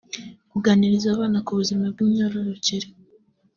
kuganiriza abana ku buzima bw’imyororokere